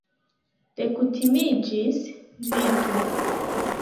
Dekutimiĝis, vidu!